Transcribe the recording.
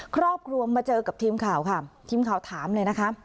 ครอบครัวมาเจอกับทีมข่าวค่ะทีมข่าวถามเลยนะคะ